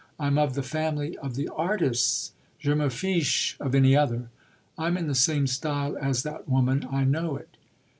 I'm of the family of the artists je me fiche of any other! I'm in the same style as that woman I know it."